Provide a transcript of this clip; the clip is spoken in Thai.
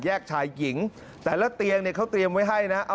ชายหญิงแต่ละเตียงเนี่ยเขาเตรียมไว้ให้นะ